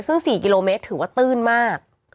ซึ่ง๔กิโลเมตรถือว่าตื้นมาก